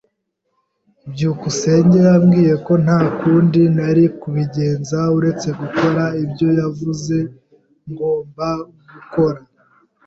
byukusenge yambwiye ko nta kundi nari kubigenza uretse gukora ibyo yavuze ngomba gukora.